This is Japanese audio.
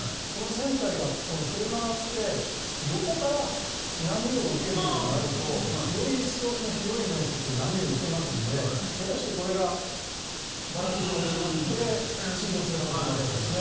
船体が振れ回って横から波を受けるようになるとより一層広い面積で波を受けますので下手したらこれがバランスを失って沈没する可能性があるわけです。